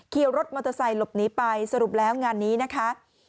ขี่รถมอเตอร์ไซค์หลบหนีไปสรุปแล้วงานนี้นะคะ